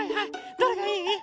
どれがいい？